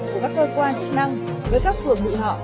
của các cơ quan chức năng với các phường ngụy họ